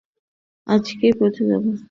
আজকেই পৌছে যাব।